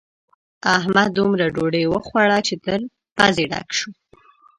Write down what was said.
احمد دومره ډوډۍ وخوړه چې تر پزې ډک شو.